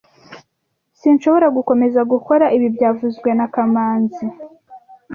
Sinshobora gukomeza gukora ibi byavuzwe na kamanzi